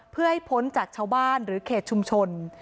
เพื่อให้พ้นจากชาวบ้านหรือเขตชุมชน